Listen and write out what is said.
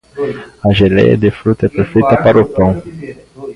A geleia de frutas é perfeita para o pão.